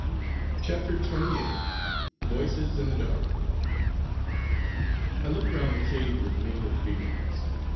CHAPTER XXVIII VOICES IN THE DARK I looked round the cave with mingled feelings.